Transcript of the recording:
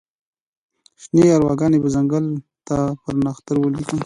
شني ارواګانې به ځنګل ته پر نښتر ولیکم